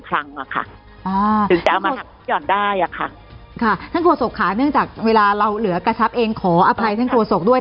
ค่ะทางโฆษกข้าเนื่องจากเวลาเราเหลือกกระทับเองขออภัยเธนโฆษกด้วย